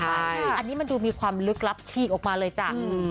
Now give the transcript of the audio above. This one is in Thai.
อันนี้มันดูมีความลึกลับฉีกออกมาเลยจ้ะ